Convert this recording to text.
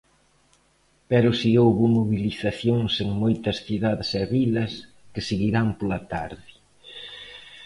Pero si houbo mobilizacións en moitas cidades e vilas, que seguirán pola tarde.